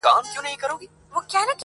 ځوان د پوره سلو سلگيو څه راوروسته,